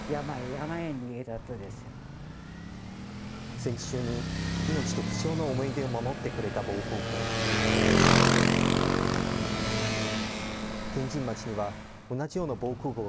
戦時中に命と貴重な思い出を守ってくれた防空ごう。